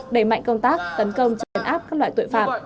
đẩy mạnh công tác tấn công chấn áp các loại tội phạm